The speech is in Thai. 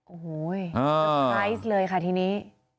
โอ้โหไซส์เลยค่ะทีนี้